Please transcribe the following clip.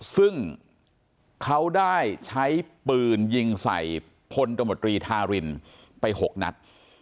ซึ่งเขาได้ใช้ปืนยิงใส่พลตมตรีทารินไป๖นัด